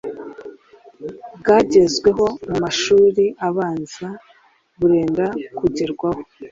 bwagezweho mu mashuri abanza burenda kugerwaho